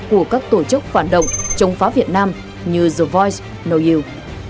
của các tổ chức hoạt động chống phá việt nam như the voice know you